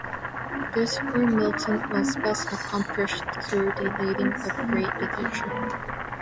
This, for Milton, was best accomplished through the reading of great literature.